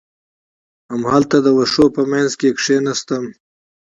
همالته د وښو په منځ کې کېناستم.